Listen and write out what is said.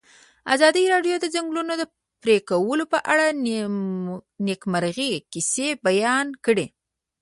ازادي راډیو د د ځنګلونو پرېکول په اړه د نېکمرغۍ کیسې بیان کړې.